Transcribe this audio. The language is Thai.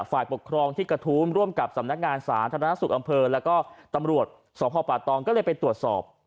ฝ่ายปกครองที่กระทู้มร่วมกับสำนักงานสาธารณสุขอำเภอแล้วก็ตำรวจสพป่าตองก็เลยไปตรวจสอบ